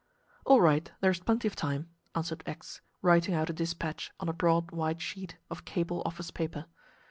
"All right, there is plenty of time," answered X, writing out a dispatch on a broad white sheet of cable office paper.